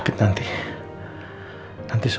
berkenan di yang lain